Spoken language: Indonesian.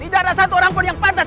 tidak ada satu orang pun yang pantas